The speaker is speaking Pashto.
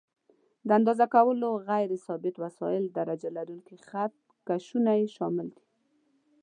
د اندازه کولو غیر ثابت وسایل: درجه لرونکي خط کشونه یې شامل دي.